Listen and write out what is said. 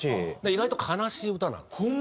意外と悲しい歌なんですよ。